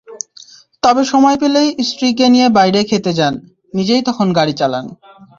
তবে সময় পেলেই স্ত্রীকে নিয়ে বাইরে খেতে যান, নিজেই তখন গাড়ি চালান।